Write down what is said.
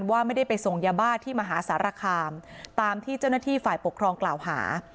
ว่าไม่ได้ไปส่งยาบ้าที่มหาสารคามตามที่เจ้าหน้าที่ฝ่ายปกครองกล่าวหา